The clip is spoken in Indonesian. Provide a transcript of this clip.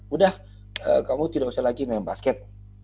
udah kamu tidak usah lagi main basket